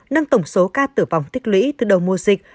nâng tổng số ca tử vong tích lũy từ đầu mùa dịch